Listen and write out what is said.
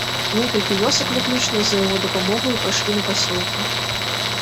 Некалькі вёсак выключна за яго дапамогаю пайшлі на пасёлкі.